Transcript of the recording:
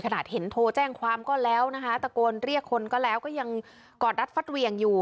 ขนาดเห็นโทรแจ้งความก็แล้วนะคะตะโกนเรียกคนก็แล้วก็ยังกอดรัดฟัดเหวี่ยงอยู่